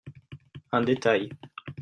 Un détail.